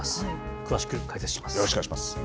詳しく解説します。